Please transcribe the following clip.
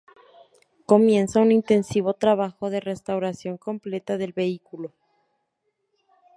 Comienza un intensivo trabajo de restauración completa del vehículo.